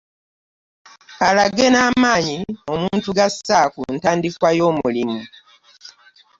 Amage n'amanyi omuntu gassa ku ntandikwa y'omulimu .